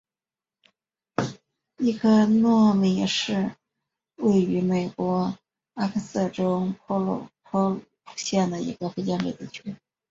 伊科诺米是位于美国阿肯色州波普县的一个非建制地区。